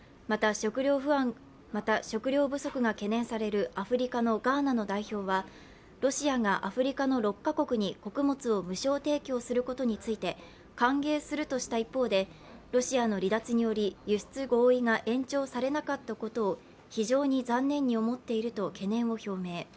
また、食料不足が懸念されるアフリカのガーナの代表はロシアがアフリカの６か国に穀物を無償提供することについて歓迎するとした一方で、ロシアの離脱により輸出合意が延長されなかったことを非常に残念に思っていると懸念を表明。